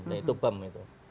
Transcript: dan itu pem gitu